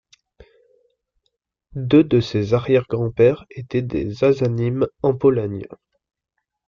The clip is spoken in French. Deux de ses arrière-grands-pères étaient des hazzanim en Pologne.